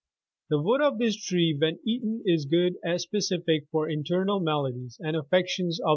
^ The wood of this tree when eaten is good as a specific for internal maladies and affections of the sinews.